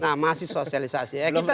nah masih sosialisasi